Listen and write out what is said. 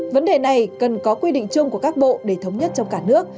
vấn đề này cần có quy định chung của các bộ để thống nhất trong cả nước